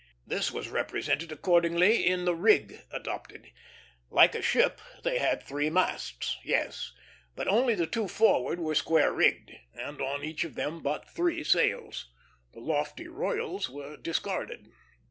This was represented accordingly in the rig adopted. Like a ship, they had three masts, yes; but only the two forward were square rigged, and on each of them but three sails. The lofty royals were discarded.